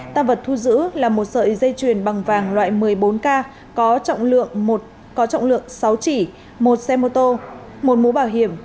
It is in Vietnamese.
tạm vật thu giữ là một sợi dây chuyền bằng vàng loại một mươi bốn k có trọng lượng sáu chỉ một xe mô tô một mũ bảo hiểm